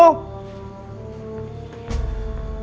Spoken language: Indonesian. harimau jadi jadian itu